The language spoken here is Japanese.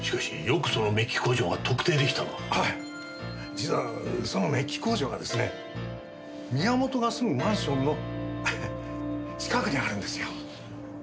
実はそのメッキ工場がですね宮本が住むマンションの近くにあるんですよ。